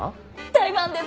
大ファンです！